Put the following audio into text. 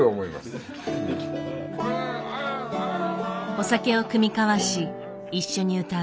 お酒を酌み交わし一緒に歌う。